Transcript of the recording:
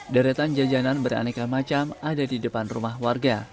deretan jajanan beraneka macam ada di depan rumah warga